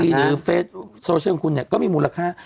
หรือเฟสโซเชียลของคุณเนี่ยก็มีมูลค่า